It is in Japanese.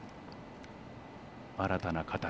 新たな形。